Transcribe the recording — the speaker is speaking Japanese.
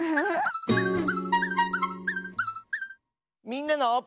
「みんなの」。